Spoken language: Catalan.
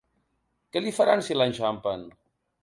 ¿Què li faran, si l'enxampen?